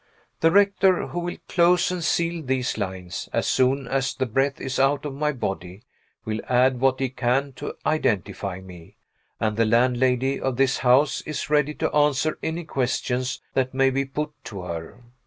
The rector, who will close and seal these lines, as soon as the breath is out of my body, will add what he can to identify me; and the landlady of this house is ready to answer any questions that may be put to her.